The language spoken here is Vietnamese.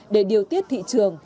để điều tiết thị trường